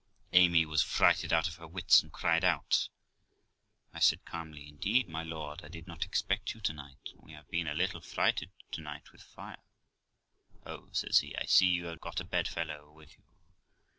Amy was frighted out of her wits, and cried out I said calmly, ' Indeed, my lord, I did not expect you to night, and we have been a little frighted to night with fire.' 'Oh!', says he, 'I see you have got a bed fellow with you.'